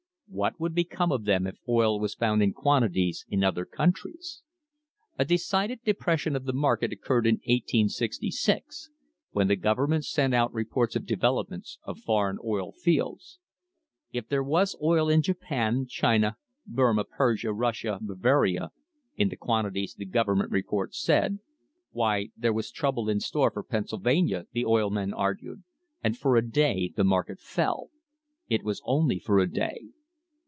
What would become of them if oil was found in quantities in other countries? A decided depression of the market occurred in 1866 when the government sent out reports of developments of foreign oil fields. If there was oil in Japan, China, Burmah, Persia, Russia, Bavaria, in the quantities the government reports said, why, there was trouble in store for Pennsylvania, the oil men argued, and for a day the market fell — it was only for a day.